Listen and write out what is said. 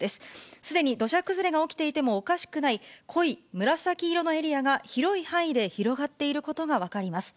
すでに土砂崩れが起きていてもおかしくない、濃い紫色のエリアが、広い範囲で広がっていることが分かります。